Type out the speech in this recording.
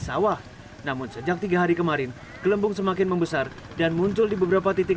sawah namun sejak tiga hari kemarin gelembung semakin membesar dan muncul di beberapa titik